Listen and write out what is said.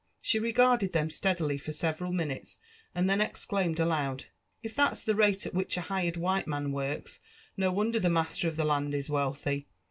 She regarded them steadily for several minutes, and then exclaimed aloud, " If that's the rate at which a hired white man works, no wonder the master of the land is wealthy.